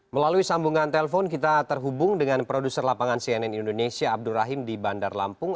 melalui sambungan telpon kita terhubung dengan produser lapangan cnn indonesia abdur rahim di bandar lampung